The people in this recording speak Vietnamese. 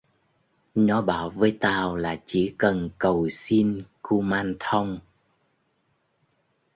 Nó bảo với tao là chỉ cần câù xin Kumanthong